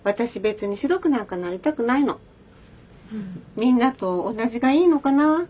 「みんなとおなじがいいのかな。